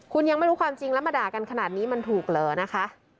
คุณยังไม่รู้ความจริงแล้วมาด่ากันขนาดนี้มันถูกเหรอนะคะ